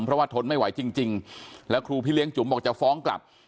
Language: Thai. เพราะว่าทนไม่ไหวจริงแล้วครูพี่เลี้ยงจุ๋มบอกจะฟ้องกลับ